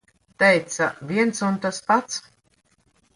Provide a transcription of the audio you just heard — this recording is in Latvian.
Teica - viens un tas pats.